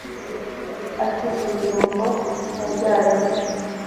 ati ibirumbo wabyaye gusa